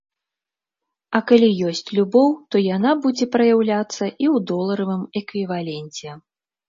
А калі ёсць любоў, то яна будзе праяўляцца і ў доларавым эквіваленце.